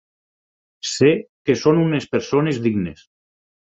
Sé que són unes persones dignes.